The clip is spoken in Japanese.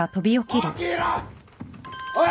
おい！